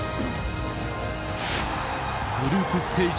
グループステージ